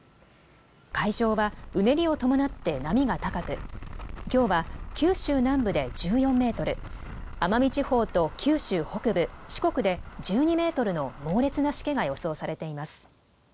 海上はうねりを伴って波が高く、きょうは九州南部で１４メートル、奄美地方と九州北部、四国で１２メートルの猛烈なしけが予想されています。